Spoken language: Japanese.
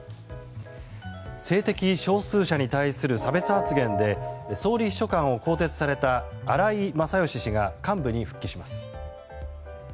性的少数者に対する差別発言で総理秘書官を更迭された荒井勝喜氏が幹部に復帰します。